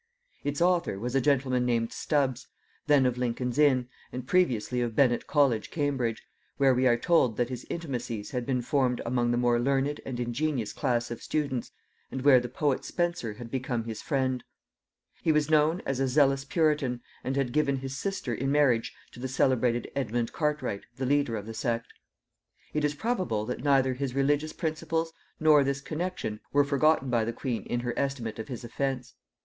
Its author was a gentleman named Stubbs, then of Lincoln's Inn, and previously of Bene't College Cambridge, where we are told that his intimacies had been formed among the more learned and ingenious class of students, and where the poet Spenser had become his friend. He was known as a zealous puritan, and had given his sister in marriage to the celebrated Edmund Cartwright the leader of the sect. It is probable that neither his religious principles nor this connexion were forgotten by the queen in her estimate of his offence.